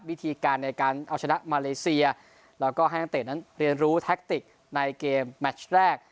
วิธีการในการเอาชนะมาเลเซียแล้วก็ให้นักเตะนั้นเรียนรู้แท็กติกในเกมแมชแรก